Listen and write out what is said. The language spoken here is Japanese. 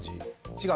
違う？